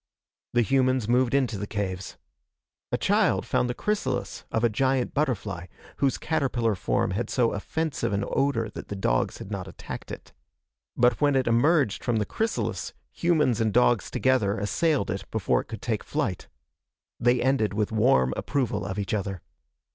The humans moved into the caves. A child found the chrysalis of a giant butterfly, whose caterpillar form had so offensive an odor that the dogs had not attacked it. But when it emerged from the chrysalis, humans and dogs together assailed it before it could take flight. They ended with warm approval of each other.